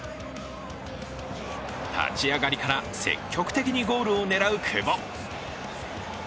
立ち上がりから積極的にゴールを狙う久保。